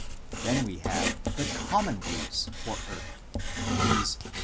Then we have the common words for " earth," viz.